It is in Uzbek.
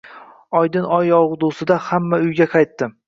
Oydin oy yog`dusida hamma uyga qaytdi